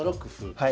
はい。